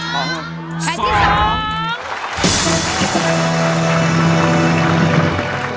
แผ่นที่สอง